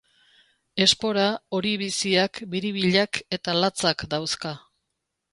Espora hori biziak, biribilak eta latzak dauzka.